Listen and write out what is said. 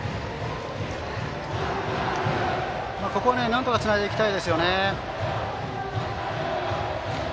ここはなんとかつなぎたいですね。